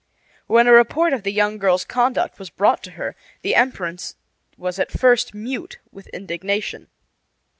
When a report of the young girl's conduct was brought to her the empress was at first mute with indignation.